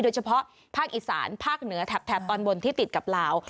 โดยเฉพาะภาคอีสานภาคเหนือแถบตอนบนที่ติดกับลาว